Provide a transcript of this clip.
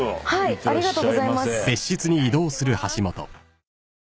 ありがとうございます。